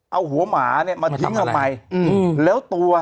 เอาหัวหมาเนี้ยมาทิ้งให้ขยับใหม่อืมแล้วตัว